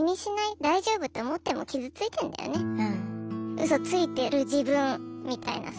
うそついてる自分みたいなさ。